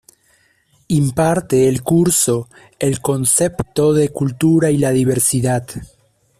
Imparte el curso "El concepto de cultura y la diversidad.